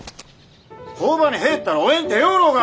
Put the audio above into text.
工場に入ったらおえんて言よろうが！